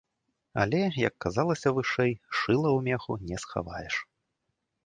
Але, як казалася вышэй, шыла ў меху не схаваеш.